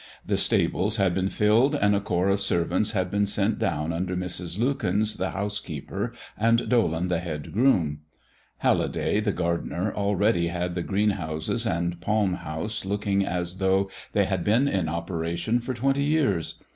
The stables had been filled, and a corps of servants had been sent down under Mrs. Lukens the housekeeper and Dolan the head groom. Halliday, the gardener, already had the green houses and the palm house looking as though they had been in operation for twenty years.